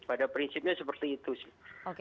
pada prinsipnya seperti itu sih